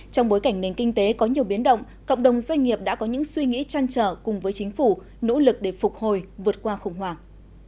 trong bối cảnh nền kinh tế có nhiều biến động cộng đồng doanh nghiệp đã có những suy nghĩ trăn trở cùng với chính phủ nỗ lực để phục hồi vượt qua khủng hoảng